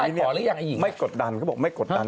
หมอหรือยังหญิงไม่กดดันเขาบอกไม่กดดัน